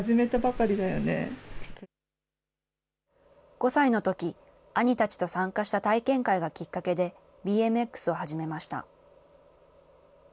５歳のとき、兄たちと参加した体験会がきっかけで、ＢＭＸを始めました。